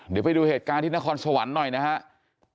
เดี๋ยวไปดูเหตุการณ์ที่นครสวรรค์หน่อยนะครับ